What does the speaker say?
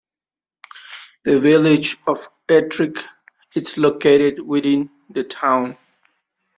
The Village of Ettrick is located within the town.